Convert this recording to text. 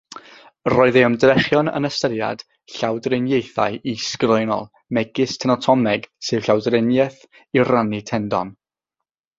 Roedd ei ymdrechion yn ystyried llawdriniaethau isgroenol megis tenotomeg, sef llawdriniaeth i rannu tendon.